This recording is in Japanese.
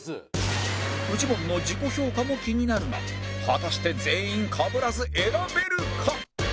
フジモンの自己評価も気になるが果たして全員かぶらず選べるか？